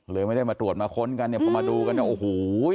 ไม่ได้มาตรวจมาค้นกันเนี่ยพอมาดูกันเนี่ยโอ้โห